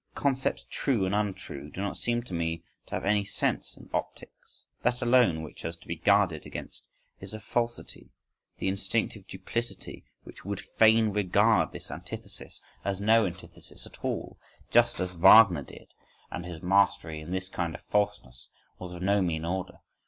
The concepts "true" and "untrue" do not seem to me to have any sense in optics.—That, alone, which has to be guarded against is the falsity, the instinctive duplicity which would fain regard this antithesis as no antithesis at all: just as Wagner did,—and his mastery in this kind of falseness was of no mean order.